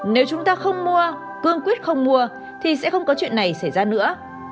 nếu chúng ta không mua cương quyết không mua thì sẽ không có chuyện này xảy ra nữa